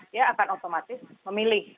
dia akan otomatis memilih